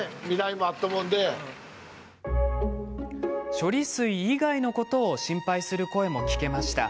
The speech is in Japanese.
処理水以外のことを心配する声もありました。